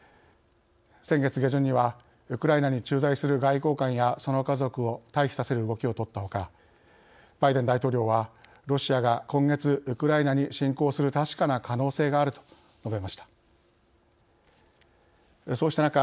先月下旬にはウクライナに駐在する外交官やその家族を退避させる動きを取ったほかバイデン大統領は「ロシアが今月ウクライナに侵攻する確かな可能性がある」と述べました。